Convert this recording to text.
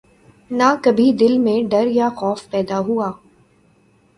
نہ کبھی دل میں ڈر یا خوف پیدا ہوا